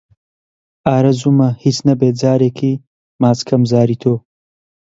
ئارەزوومە هیچ نەبێ جارێکی ماچ کەم زاری تۆ